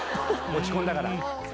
持ち込んだから。